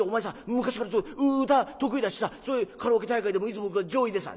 昔から歌得意だしさそういうカラオケ大会でもいつも上位でさ」。